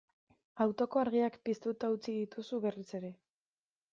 Autoko argiak piztuta utzi dituzu berriz ere.